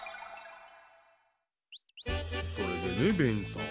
それでねベンさん。